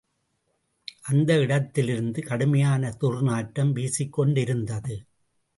அந்த இடத்திலிருந்து கடுமையான துர்நாற்றம் வீசிக்கொண்டிருந்தது.